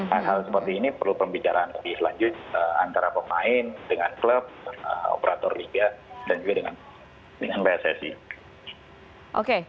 hal hal seperti ini perlu pembicaraan lebih lanjut antara pemain dengan klub operator liga dan juga dengan pssi